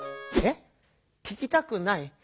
えっ「聞きたくない」？